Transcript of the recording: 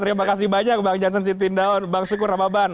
terima kasih banyak bang jansen siti indahun bang syukur ramadhan